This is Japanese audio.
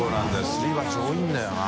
すり鉢多いんだよな。